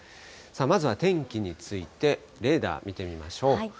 さあ、まずは天気について、レーダー見てみましょう。